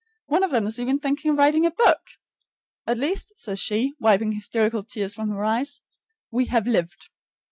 One of them is even thinking of writing a book. "At least," says she, wiping hysterical tears from her eyes, "we have lived!"